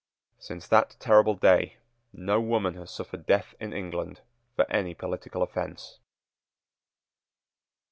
Since that terrible day no woman has suffered death in England for any political offence.